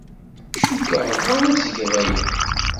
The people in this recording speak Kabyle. Cukkeɣ bɣan ad tgeḍ aya.